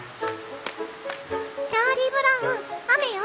「チャーリー・ブラウン雨よ！